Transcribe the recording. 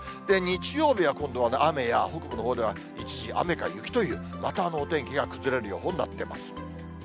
で、日曜日は今度は雨や、北部のほうでは一時雨か雪という、またお天気が崩れる予報になってます。